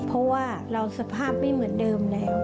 เพราะว่าเราสภาพไม่เหมือนเดิมแล้ว